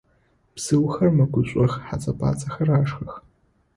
Бзыухэр мэгушӏох, хьэцӏэ-пӏацӏэхэр ашхых.